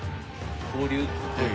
交流？